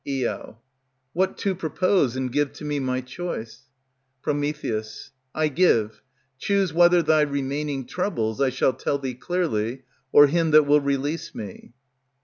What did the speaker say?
Io. What two propose, and give to me my choice. Pr. I give; choose whether thy remaining troubles I shall tell thee clearly, or him that will release me.